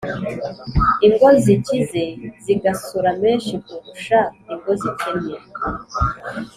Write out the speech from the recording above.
ingo zikize zigasora menshi kurusha ingo zikennye.